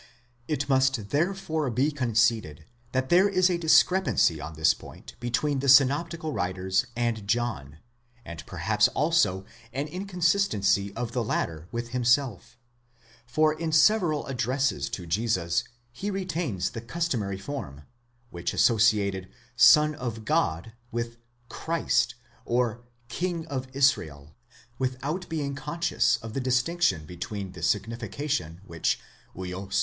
It must therefore be conceded that there is a discrepancy on this point between the synoptical writers and John, and perhaps also an inconsistency of the latter with himself; for in several addresses to Jesus he retains the customary form, which associated Son of God with Christ or King of Jsrae/, without being conscious of the distinction between the signification which vids τ.